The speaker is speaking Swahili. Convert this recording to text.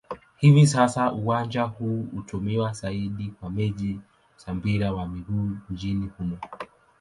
Hivi sasa uwanja huu hutumiwa zaidi kwa mechi za mpira wa miguu nchini humo.